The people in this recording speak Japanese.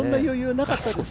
なかったです。